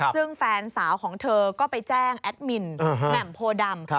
ซึ่งแฟนสาวของเธอก็ไปแจ้งแอดมินแหม่มโพดำ